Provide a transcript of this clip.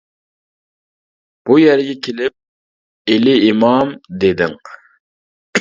بۇ يەرگە كېلىپ، ئېلى ئىمام، دېدىڭ.